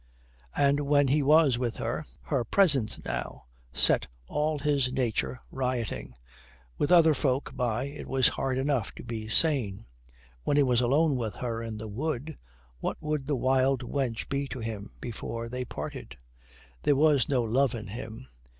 And when he was with her her presence now set all his nature rioting with other folk by, it was hard enough to be sane; when he was alone with her in the wood, what would the wild wench be to him before they parted? There was no love in him.